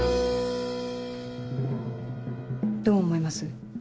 どう思います？